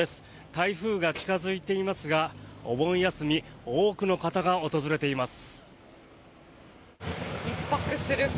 台風が近付いていますがお盆休み多くの方が訪れています。